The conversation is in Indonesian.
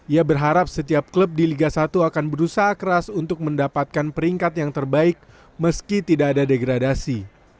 ia berharap setiap klub di liga satu akan berusaha keras untuk mendapatkan peringkat yang terbaik meski tidak ada degradasi